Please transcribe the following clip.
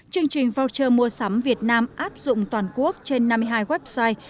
chương trình voucher mua sắm việt nam áp dụng toàn quốc trên năm mươi hai website